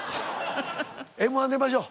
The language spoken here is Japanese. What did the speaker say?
Ｍ−１出ましょう。